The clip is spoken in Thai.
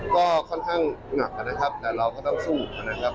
ก็ค่อนข้างหนักนะครับแต่เราก็ต้องสู้นะครับ